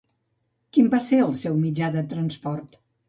Quin va ser el seu mitjà de transport?